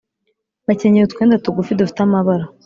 bakenyeye utwenda tugufi dufite amabara